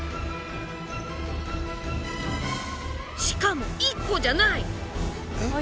しかも１個じゃない！